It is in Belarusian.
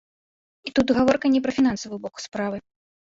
І тут гаворка не пра фінансавы бок справы.